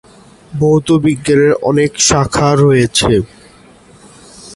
ভৌত বিজ্ঞানের অনেক শাখা রয়েছে।